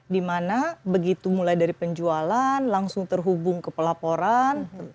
dimana begitu mulai dari penjualan langsung terhubung ke pelaporan